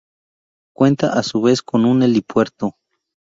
Cuenta a su vez con un helipuerto.